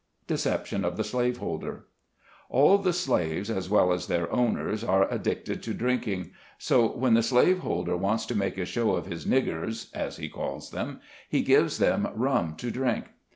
DECEPTION OF THE SLAVEHOLDER. All the slaves, as well as their owners, are addicted to drinking; so when the slaveholder wants to make a show of his "niggers " (as he calls them), he gives them rum to drink.